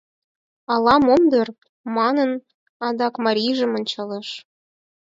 — Ала-мом дыр? — манын, адак марийжым ончалеш.